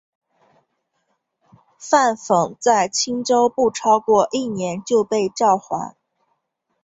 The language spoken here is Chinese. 范讽在青州不超过一年就被召还。